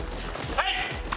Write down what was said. はい！